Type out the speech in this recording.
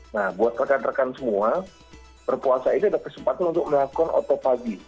nah buat rekan rekan semua berpuasa ini ada kesempatan untuk melakukan otopagi